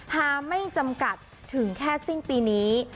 หาไม่จำกัดถึงแค่สิ้นปีนี้